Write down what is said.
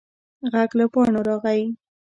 غږ له پاڼو راغی.